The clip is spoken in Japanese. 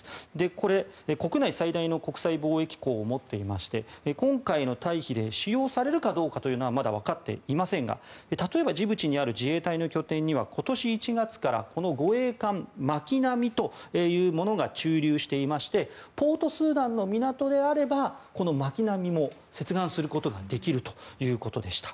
これ、国内最大の国際貿易港を持っていまして今回の退避で使用されるかどうかというのはまだわかっていませんが例えばジブチにある自衛隊の拠点には今年１月から護衛艦「まきなみ」というものが駐留していましてポート・スーダンの港であれば「まきなみ」も接岸することができるということでした。